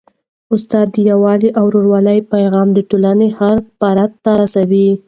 استاد د یووالي او ورورولۍ پیغام د ټولني هر فرد ته رسوي.